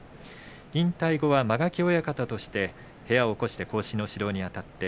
引退後は間垣親方として部屋を興して後進の指導にあたって